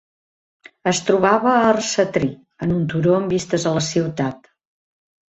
Es trobava a Arcetri, en un turó amb vistes a la ciutat.